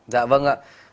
dạ vâng ạ